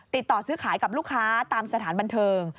ติดต่อซื้อขายกับลูกค้าตามสถานบันเทิง